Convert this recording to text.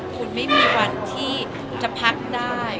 คุณไม่มีวันที่จะพักได้